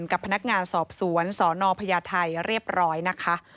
กับพนักงานสอบสวนสนพญาไทยเรียบร้อยนะคะ